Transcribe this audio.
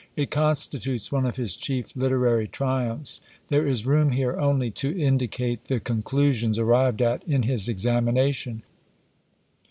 It constitutes one of his chief literary triumphs. There is room here only to indicate the conclusions arrived at in his examination.